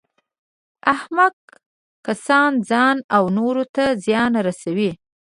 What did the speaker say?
احمق کسان ځان او نورو ته زیان رسوي.